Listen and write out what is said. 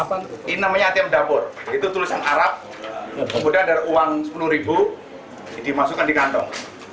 ini namanya atm dapur itu tulisan arab kemudian ada uang sepuluh ribu dimasukkan di kantong